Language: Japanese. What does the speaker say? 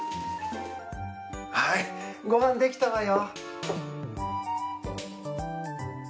ご飯できたわよ。